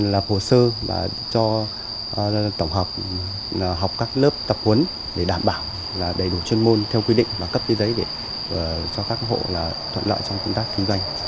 lập hồ sơ và cho tổng hợp học các lớp tập huấn để đảm bảo đầy đủ chuyên môn theo quy định và cấp giấy để cho các hộ thuận lợi trong công tác kinh doanh